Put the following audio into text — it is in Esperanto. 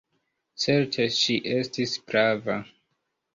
Certe, ŝi estis prava.